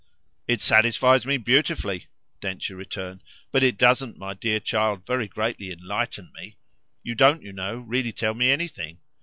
"It satisfies me beautifully," Densher returned, "but it doesn't, my dear child, very greatly enlighten me. You don't, you know, really tell me anything.